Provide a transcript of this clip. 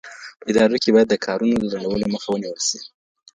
په ادارو کي باید د کارونو د ځنډولو مخه ونیول سي.